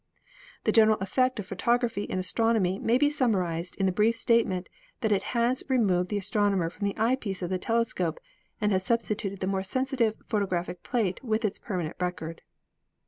The general effect of photography in astronomy may be summarized in the brief statement that it has removed the astronomer from the eyepiece of the telescope and has substituted the more sensitive photographic plate with its permanent record.